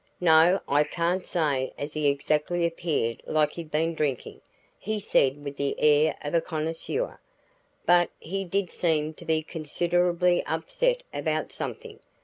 "No, I can't say as he exactly appeared like he'd been drinking," he said with the air of a connoisseur, "but he did seem to be considerably upset about something.